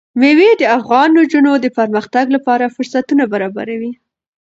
مېوې د افغان نجونو د پرمختګ لپاره فرصتونه برابروي.